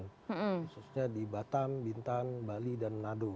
khususnya di batam bintan bali dan manado